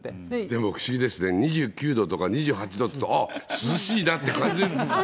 でも不思議ですね、２９度とか、２８度っていうと、ああ、涼しいなって感じる。